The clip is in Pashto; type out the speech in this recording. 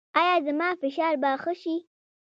ایا زما فشار به ښه شي؟